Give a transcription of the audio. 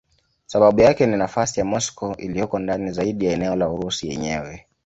Sababu yake ni nafasi ya Moscow iliyoko ndani zaidi ya eneo la Urusi yenyewe.